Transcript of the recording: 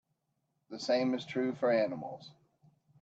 The same is true for animals.